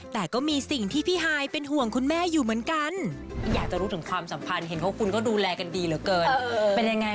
แหมพี่หายก็ช่างหยอกคุณแม่นะคะ